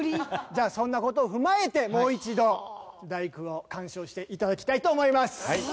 じゃあそんな事を踏まえてもう一度『第九』を鑑賞して頂きたいと思います。